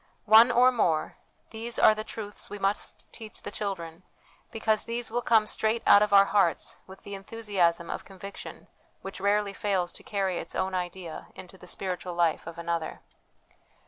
One or more, these are the truths we must teach the children, because these will come straight out of our hearts with the enthusiasm of conviction which rarely fails to carry its own idea into the spiritual life of another.